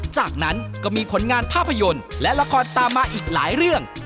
จากนั้นก็มีผลงานภาพยนตร์และละครตามมาอีกหลายเรื่อง